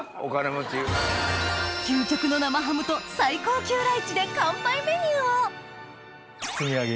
究極の生ハムと最高級ライチで乾杯メニューを包み揚げ！